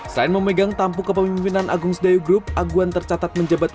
selain memegang tampu kepemimpinan agung sedayugrup aguan tercatat menjabat